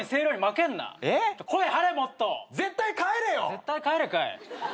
絶対帰れかい。